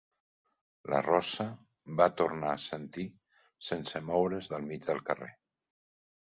La rossa va tornar a assentir, sense moure's del mig del carrer.